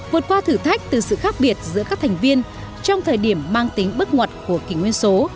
vượt qua thử thách từ sự khác biệt giữa các thành viên trong thời điểm mang tính bất ngọt của kỳ nguyên số